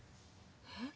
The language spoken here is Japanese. えっ？